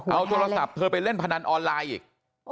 เอาโทรศัพท์เธอไปเล่นพนันออนไลน์อีก